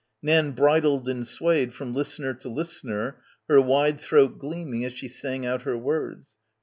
Nan bridled and swayed from listener to listener, her wide throat gleaming as she sang out her words.